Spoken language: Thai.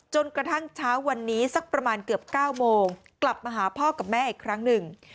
จนกระทั่งเช้าวันนี้สักประมาณเกือบ๙โมงกลับมาหาพ่อกับแม่อีกครั้งหนึ่ง